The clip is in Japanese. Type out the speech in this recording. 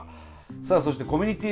さあそしてコミュニティＦＭ。